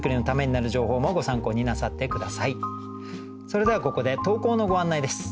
それではここで投稿のご案内です。